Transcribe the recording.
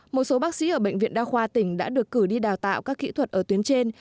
một số bác sĩ ở bệnh viện đa khoa tỉnh đã được cử đi đào tạo các kỹ thuật ở tuyến trên